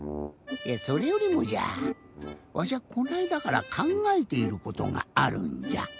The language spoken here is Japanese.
いやそれよりもじゃわしはこのあいだからかんがえていることがあるんじゃ。